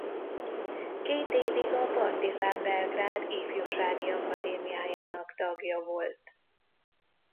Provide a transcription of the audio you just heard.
Két évig a Partizan Belgrád ifjúsági akadémiájának tagja volt.